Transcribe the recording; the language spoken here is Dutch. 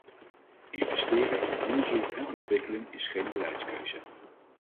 Investeren in onderzoek en ontwikkeling is geen beleidskeuze.